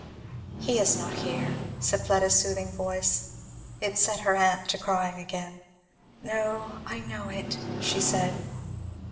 "He is not here," said Fleda's soothing voice. It set her aunt to crying again. "No I know it " she said.